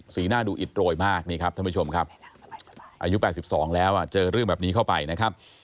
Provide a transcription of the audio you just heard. หน้าดูอิดโรยมากนี่ครับท่านผู้ชมครับอายุ๘๒แล้วเจอเรื่องแบบนี้เข้าไปนะครับ